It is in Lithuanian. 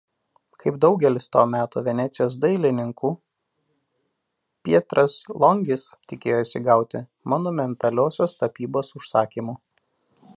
Kaip daugelis to meto Venecijos dailininkų Pietras Longis tikėjosi gauti monumentaliosios tapybos užsakymų.